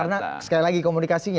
karena sekali lagi komunikasinya